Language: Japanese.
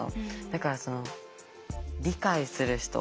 だから理解する人